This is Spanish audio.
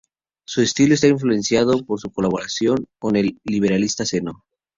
Su estilo está influenciado por su colaboración con el libretista Zeno.